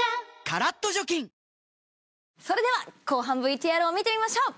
カラッと除菌それでは後半ＶＴＲを見てみましょう。